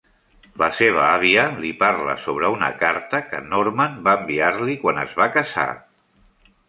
La seva àvia li parla sobre una carta que Norman va enviar-li quan es van casar.